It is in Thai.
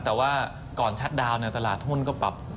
แต่ว่าก่อนชัดดาวน์ตลาดหุ้นก็ปรับ